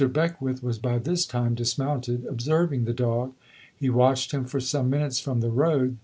Beckwith was by this time dismounted, observing the dog. He watched him for some minutes from the road.